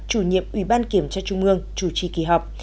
chủ nhiệm ubkt chủ trì kỳ họp